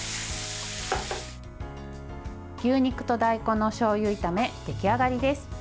牛肉と大根のしょうゆ炒め出来上がりです。